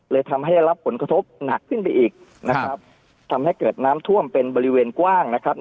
ทำให้ได้รับผลกระทบหนักขึ้นไปอีกนะครับทำให้เกิดน้ำท่วมเป็นบริเวณกว้างนะครับ